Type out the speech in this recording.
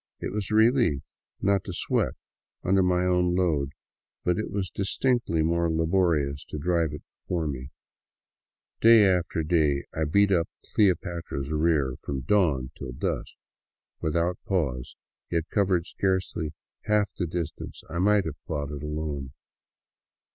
'* It was a relief not to sweat under my own load, but it was distinctly more laborious to drive it before me. Day after day I beat up " Cleopatra's " rear from dawn to dusk without a pause, yet covered scarcely half the distance I might have plodded 238 THE WILDS OF NORTHERN PERU alone.